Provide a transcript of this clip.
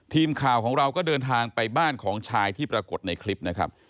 ทีมข่าวของเราก็เดินทางไปบ้านของชายที่ปรากฏในคลิปนะครับ